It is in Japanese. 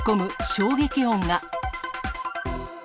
衝撃音が。